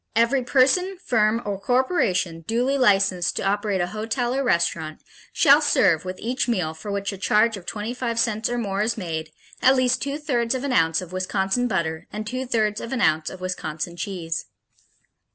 _ Every person, firm or corporation duly licensed to operate a hotel or restaurant shall serve with each meal for which a charge of twenty five cents or more is made, at least two thirds of an ounce of Wisconsin butter and two thirds of an ounce of Wisconsin cheese.